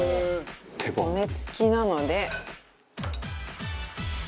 骨付きなので。